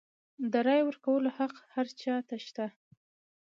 د رایې ورکولو حق هر چا ته شته.